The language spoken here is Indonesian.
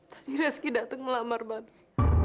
tadi rizky datang melamar manu